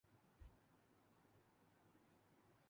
state bank نےمنی market کو ارب روپے فراہم کردیے